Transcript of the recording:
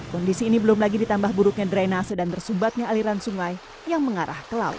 kondisi ini belum lagi ditambah buruknya drainase dan tersumbatnya aliran sungai yang mengarah ke laut